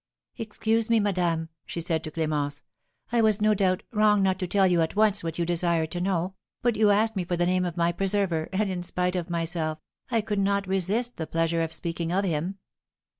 "Excuse me, madame," she said to Clémence; "I was, no doubt, wrong not to tell you at once what you desired to know, but you asked me for the name of my preserver, and, in spite of myself, I could not resist the pleasure of speaking of him."